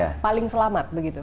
iya nomor dua paling selamat begitu